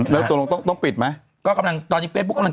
ด้วยตรงต้องปิดมั้ยกล้ากำลังตอนนี้เฟยบุ๊คเออทาง